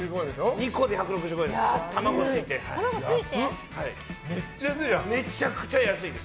２個で１６５円です。